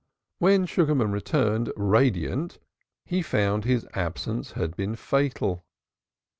When Sugarman returned, radiant, he found his absence had been fatal.